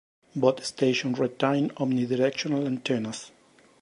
Both stations retained omnidirectional antennas.